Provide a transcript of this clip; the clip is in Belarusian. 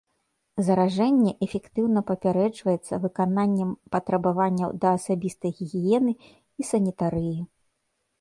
Заражэнне эфектыўна папярэджваецца выкананнем патрабаванняў да асабістай гігіены і санітарыі.